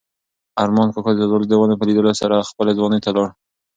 ارمان کاکا د زردالو د ونو په لیدلو سره خپلې ځوانۍ ته لاړ.